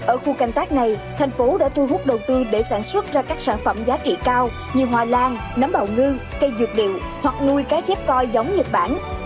ở khu canh tác này thành phố đã thu hút đầu tư để sản xuất ra các sản phẩm giá trị cao như hoa lan nấm bào ngư cây dược điệu hoặc nuôi cá chép coi giống nhật bản